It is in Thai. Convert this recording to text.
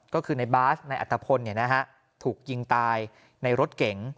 ก็คือในบ้านในอัตภพรเนี้ยนะฮะถูกยิงตายในรถเก๋ง